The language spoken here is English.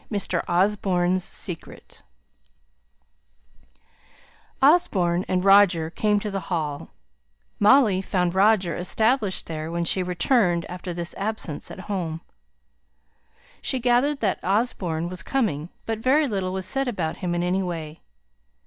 MR. OSBORNE'S SECRET. [Illustration (untitled)] Osborne and Roger came to the Hall; Molly found Roger established there when she returned after this absence at home. She gathered that Osborne was coming; but very little was said about him in any way.